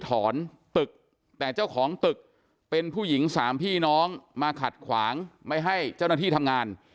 หรือถอนตึกแต่เขาเป็นผู้หญิงสามพี่น้องขัดขวางไม่ให้เจ้าหน้าที่ทำงาน